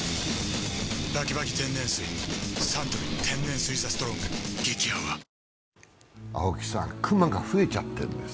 サントリー天然水「ＴＨＥＳＴＲＯＮＧ」激泡青木さん、クマが増えちゃってるんです。